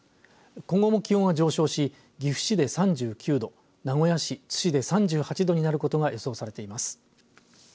今後も気温は上昇し岐阜市で３９度、名古屋市津市で３８度になることが予想されています。